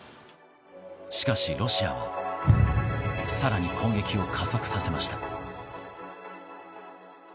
しかし、ロシアは更に攻撃を加速させました。